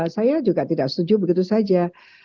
saya juga tidak setuju begitu saja